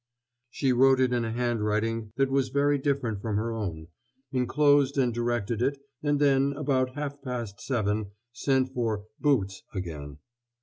She wrote it in a handwriting that was very different from her own, inclosed and directed it, and then, about half past seven, sent for "boots" again.